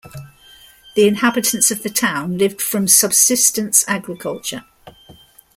The inhabitants of the town lived from subsistence agriculture.